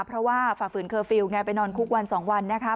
เพราะว่าฝ่าฝืนเคอร์ฟิลล์ไงไปนอนคุกวัน๒วันนะคะ